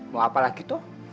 mau apa lagi tuh